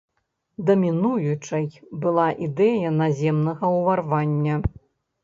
Дамінуючай была ідэя наземнага ўварвання.